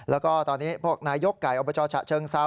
แล้วก็ตอนนี้พวกนายกไก่อบจฉะเชิงเซา